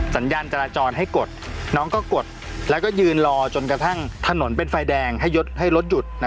สัญญาณจราจรให้กดน้องก็กดแล้วก็ยืนรอจนกระทั่งถนนเป็นไฟแดงให้รถหยุด